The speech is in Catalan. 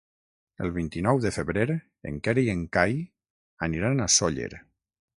El vint-i-nou de febrer en Quer i en Cai aniran a Sóller.